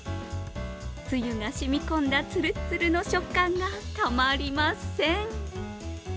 つゆがしみ込んだつるっつるの食感がたまりません。